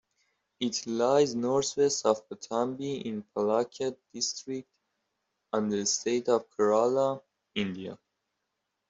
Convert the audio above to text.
It lies northwest of Pattambi in Palakkad district, of the state of Kerala, India.